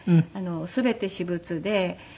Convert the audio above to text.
全て私物で。